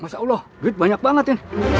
masya allah duit banyak banget ya